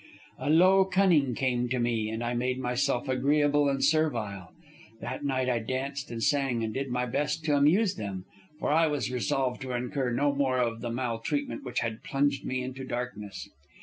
"A low cunning came to me, and I made myself agreeable and servile. That night I danced and sang, and did my best to amuse them, for I was resolved to incur no more of the maltreatment which had plunged me into darkness.